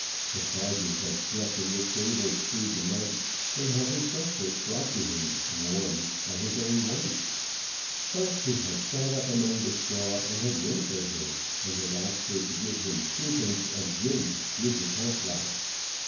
The Sergeant had slept in the stables through the night, and had had his breakfast brought to him, warm, by his own wife; but he had sat up among the straw, and had winked at her, and had asked her to give him threepence of gin with the cat lap.